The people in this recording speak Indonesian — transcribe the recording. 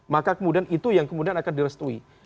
maka kemudian itu yang kemudian akan direstui